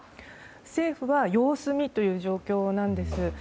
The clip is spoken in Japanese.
政府は様子見という状況なんです。